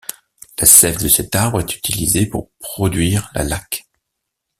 La sève de cet arbre est utilisé pour produire la laque.